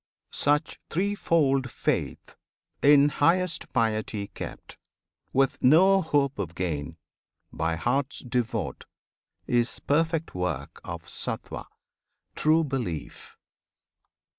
Such threefold faith, in highest piety Kept, with no hope of gain, by hearts devote, Is perfect work of Sattwan, true belief.